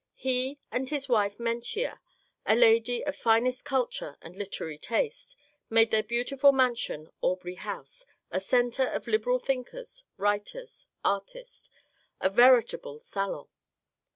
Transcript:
He and his wife Mentia, a lady of finest culture and literary taste, made their beautiful mansion, Aubrey House, a centre of liberal thinkers, writers, artists, — a veritable salon.